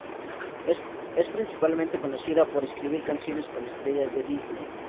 Es principalmente conocida por escribir canciones con estrellas de Disney.